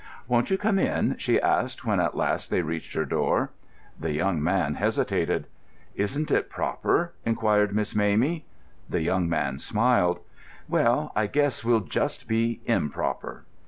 "Won't you come in?" she asked, when at last they reached her door. The young man hesitated. "Isn't it proper?" inquired Miss Mamie. The young man smiled. "Well, I guess we'll just be improper."